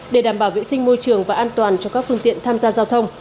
để đảm bảo vệ sinh môi trường và an toàn cho các phương tiện tham gia giao thông